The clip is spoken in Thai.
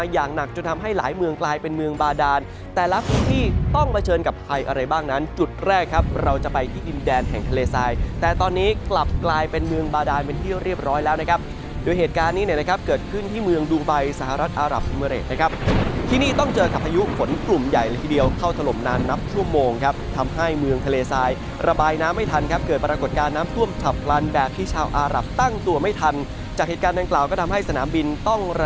หนักจนทำให้หลายเมืองกลายเป็นเมืองบาดานแต่ลักษณ์ที่ต้องเผชิญกับใครอะไรบ้างนั้นจุดแรกครับเราจะไปที่ดินแดนแห่งทะเลทรายแต่ตอนนี้กลับกลายเป็นเมืองบาดานเป็นที่เรียบร้อยแล้วนะครับโดยเหตุการณ์นี้เนี่ยนะครับเกิดขึ้นที่เมืองดูไบสหรัฐอารับเมริกนะครับที่นี่ต้องเจอกับอายุฝนกลุ่มใหญ่ละ